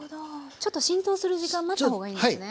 ちょっと浸透する時間待った方がいいんですね。